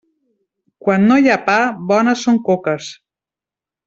Quan no hi ha pa, bones són coques.